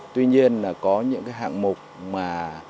tuy nhiên có những hạng mục mà